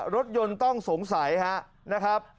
รถยนต์ต้องสงสัยนะครับ